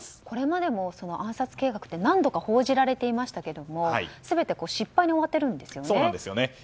これまでも暗殺計画って何度か報じられていましたが全て失敗に終わっているんですよね。